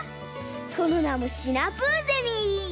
そのなもシナプーゼミ！